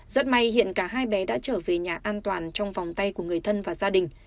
rất may hiện cả hai bé đã trở về nhà an toàn trong vòng tay của người thân và gia đình